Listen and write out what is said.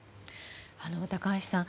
高橋さん